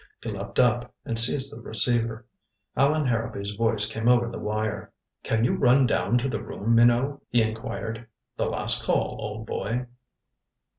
He leaped up, and seized the receiver. Allan Harrowby's voice came over the wire. "Can you run down to the room, Minot?" he inquired. "The last call, old boy."